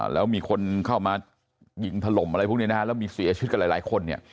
แล้วมีคนเข้ามายิงถล่มอะไรพวกนี้นะฮะแล้วมีเสียชีวิตกันหลายคนเนี่ย